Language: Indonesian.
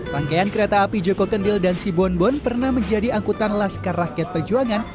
rangkaian kereta api joko kendil dan sibonbon pernah menjadi angkutan laskar rakyat perjuangan